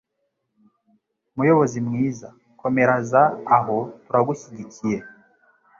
muyobozi mwiza komeraza aho turagushyigikiye